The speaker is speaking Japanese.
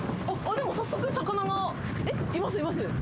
でも早速魚がいますいます。